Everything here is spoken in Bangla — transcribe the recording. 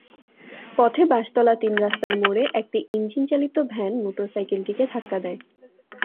পথে বাঁশতলা তিন রাস্তার মোড়ে একটি ইঞ্জিনচালিত ভ্যান মোটরসাইকেলটিকে ধাক্কা দেয়।